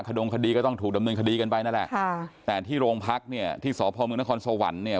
ดงคดีก็ต้องถูกดำเนินคดีกันไปนั่นแหละค่ะแต่ที่โรงพักเนี่ยที่สพมนครสวรรค์เนี่ย